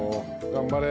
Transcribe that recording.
頑張れ。